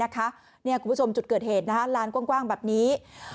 คุณผู้ชมจุดเกิดเหตุลานกว้างแบบนี้